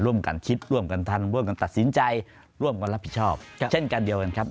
ร่วมกันคิดร่วมกันทำร่วมกันตัดสินใจร่วมกันรับผิดชอบเช่นกันเดียวกันครับ